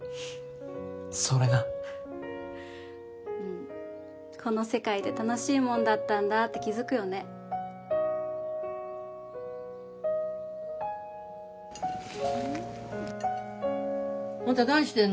それなうんこの世界って楽しいもんだったんだって気付くよねあんた何してんの？